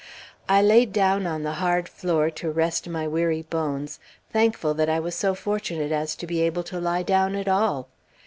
I laid down on the hard floor to rest my weary bones, thankful that I was so fortunate as to be able to lie down at all.